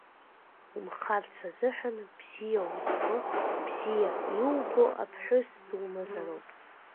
Унхарц азыҳәан бзиа узбо, бзиаиубо, аԥҳәысдумазароуп.